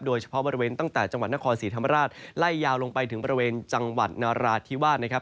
โดยเฉพาะบริเวณตั้งแต่จังหวัดนครศรีธรรมราชไล่ยาวลงไปถึงบริเวณจังหวัดนราธิวาสนะครับ